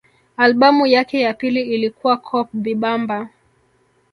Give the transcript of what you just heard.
Albamu yake ya pili ilikuwa Coupe Bibamba